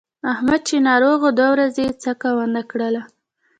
احمد چې ناروغ و دوه ورځې یې څکه ونه کړله.